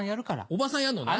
おばさんやるのね？